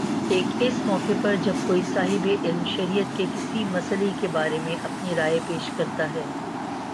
ایک اس موقع پر جب کوئی صاحبِ علم شریعت کے کسی مئلے کے بارے میں اپنی رائے پیش کرتا ہے